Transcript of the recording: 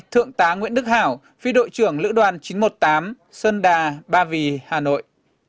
thượng tá nguyễn đức hảo phi đội trưởng lữ đoàn chín trăm một mươi tám sơn đà ba vì hà nội